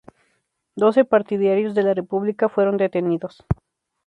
Doce partidarios de la República fueron detenidos.